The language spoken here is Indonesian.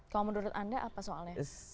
kalau menurut anda apa soalnya